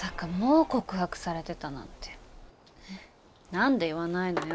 何で言わないのよ。